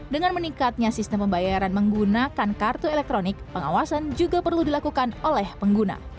dengan meningkatnya sistem pembayaran menggunakan kartu elektronik pengawasan juga perlu dilakukan oleh pengguna